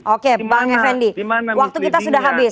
oke bang effendi waktu kita sudah habis